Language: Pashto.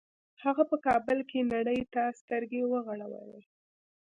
هغه په کابل کې نړۍ ته سترګې وغړولې